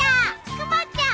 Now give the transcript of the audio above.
クマちゃん！